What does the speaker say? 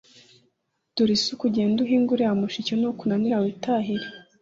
dore isuka, ugende uhinge uriya mushike nukunanira witahire